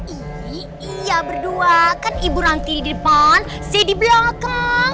ini iya berdua kan ibu ranti di depan saya di belakang